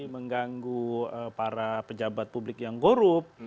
mengganggu para pejabat publik yang gorup